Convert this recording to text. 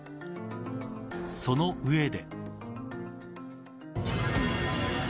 その上で。